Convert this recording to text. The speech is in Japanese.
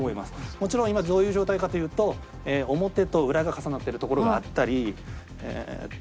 もちろん今どういう状態かというと表と裏が重なってるところがあったりえっと